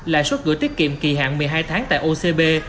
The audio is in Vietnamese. lãi suất gửi tiết kiệm kỳ hạn một mươi hai tháng tại ocb